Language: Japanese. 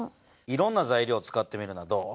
いろんな材料を使ってみるのはどう？